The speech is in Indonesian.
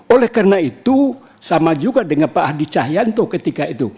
oleh karena itu sama juga dengan pak hadi cahyanto ketika itu